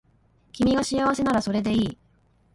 君が幸せならそれでいい